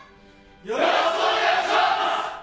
よろしくお願いします！